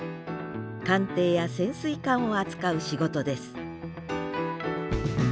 艦艇や潜水艦を扱う仕事です